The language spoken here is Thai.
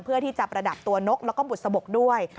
เพื่อที่จะประดับตัวนกแล้วก็บุษบกด้วย